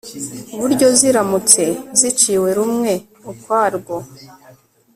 buryo ziramutse ziciwe rumwe ukwarwo